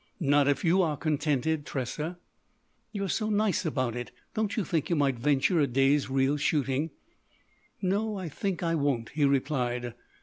"Not if you are contented, Tressa." "You're so nice about it. Don't you think you might venture a day's real shooting?" "No, I think I won't," he replied.